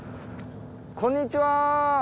こんにちは。